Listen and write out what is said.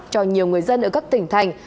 cho nhiều người dân ở các tỉnh thành